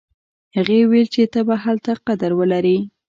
هغې ویل چې ته به هلته قدر ولرې